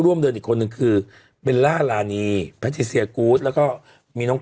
เดินอีกคนนึงคือเบลล่ารานีแพทิเซียกูธแล้วก็มีน้อง